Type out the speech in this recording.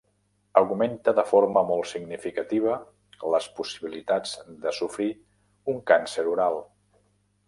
Augmenta de forma molt significativa les possibilitats de sofrir un càncer oral.